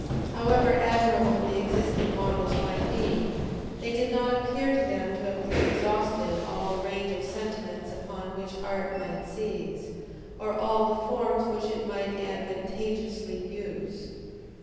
However admirable the existing models might be, they did not appear to them to have exhausted all the range of sentiments upon which art might seize, or all the forms which it might advantageously use.